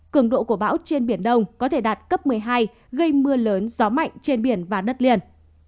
cường độ của bão trên biển đông có thể đạt cấp một mươi hai gây mưa lớn gió mạnh trên biển và đất liền